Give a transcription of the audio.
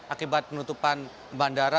akibat penutupan bandara